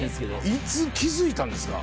いつ気付いたんですか？